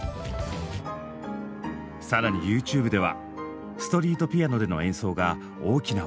さらにＹｏｕＴｕｂｅではストリートピアノでの演奏が大きな話題に。